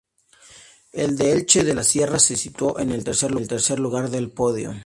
El de Elche de la Sierra se situó en el tercer lugar del podio.